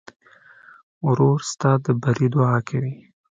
ورور ستا د بري دعا کوي.